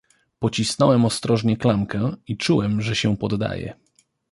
"Pocisnąłem ostrożnie klamkę i czułem, że się poddaje."